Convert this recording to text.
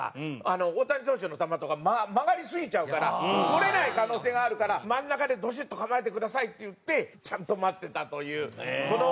大谷投手の球とか曲がりすぎちゃうから捕れない可能性があるから「真ん中でドシッと構えてください」って言ってちゃんと待ってたというこの。